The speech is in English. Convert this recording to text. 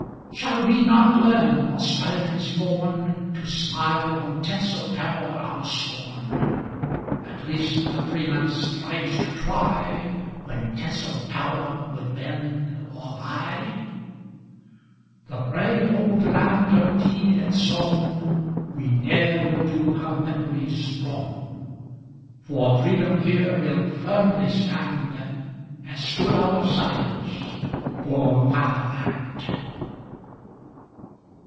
Shall we not learn, Australians born! To smile on tinselled power our scorn,—At least, a freeman's pride to try, When tinselled power would bend or buy? The brave old land of deed and song, We ne'er will do her memories wrong! For freedom here we'll firmly stand, As stood our sires for Fatherland!